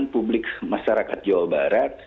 publik masyarakat jawa barat